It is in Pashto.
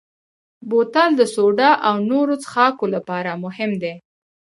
بوتل د سوډا او نورو څښاکو لپاره مهم دی.